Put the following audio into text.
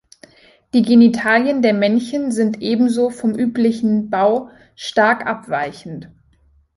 Die Genitalien der Männchen sind ebenso vom üblichen Bau stark abweichend.